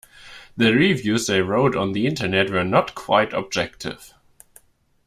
The reviews they wrote on the Internet were not quite objective.